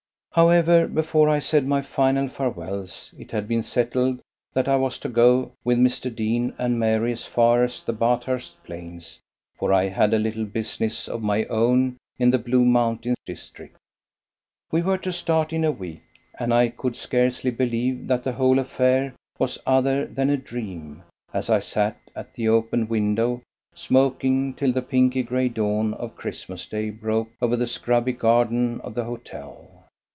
However, before I said my final farewells it had been settled that I was to go with Mr. Deane and Mary as far as the Bathurst Plains, for I had a little business of my own in the Blue Mountain district. We were to start in a week, and I could scarcely believe that the whole affair was other than a dream, as I sat at the open window smoking till the pinky gray dawn of Christmas Day broke over the scrubby garden of the hotel.